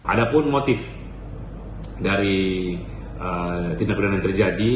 ada pun motif dari tindak perjalanan terjadi